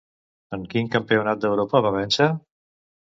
En quin campionat d'Europa va vèncer?